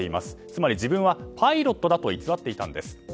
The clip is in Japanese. つまり自分はパイロットだと偽っていたんです。